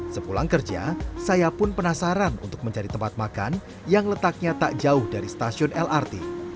sepulang kerja saya pun penasaran untuk mencari tempat makan yang letaknya tak jauh dari stasiun lrt